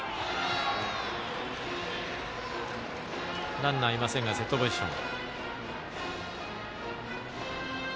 ランナーいませんがセットポジション。